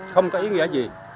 không có ý nghĩa gì